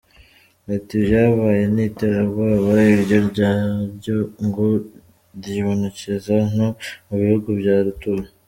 Ati "ivyabaye ni iterabwoba, iryo naryo ngo ryibonekeza no mu bihugu vya rutura".